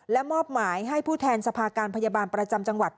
และมอบหมายให้ผู้แทนสภาการพยาบาลประจำจังหวัด